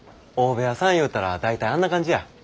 大部屋さんいうたら大体あんな感じや。